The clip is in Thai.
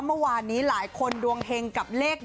เมื่อวานนี้หลายคนดวงเฮงกับเลข๑